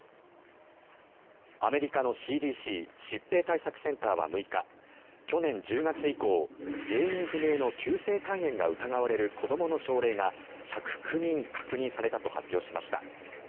アメリカのＣＤＣ・疾病対策センターは６日去年１０月以降原因不明の急性肝炎が疑われる子どもの症例が１０９人確認されたと発表しました。